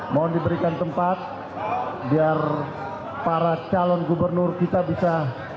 mohon diberikan tempat biar para calon gubernur kita bisa